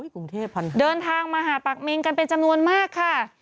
กรุงเทพพอดีเดินทางมาหาปากเมงกันเป็นจำนวนมากค่ะ